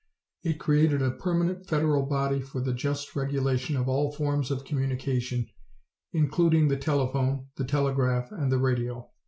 It created a permanent federal body for the just regulation of all forms of communication, including the telephone, the telegraph and the radio.